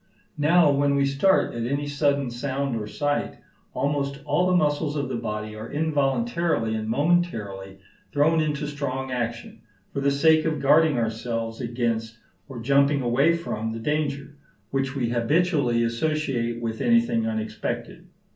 Now when we start at any sudden sound or sight, almost all the muscles of the body are involuntarily and momentarily thrown into strong action, for the sake of guarding ourselves against or jumping away from the danger, which we habitually associate with anything unexpected.